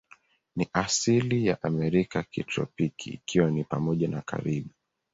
Ni asili ya Amerika ya kitropiki, ikiwa ni pamoja na Karibi.